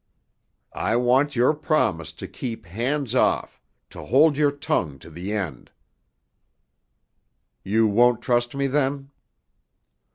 "I want your promise to keep hands off, to hold your tongue to the end." "You won't trust me, then?"